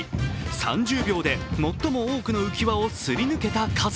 ３０秒で最も多くの浮き輪をすり抜けた数。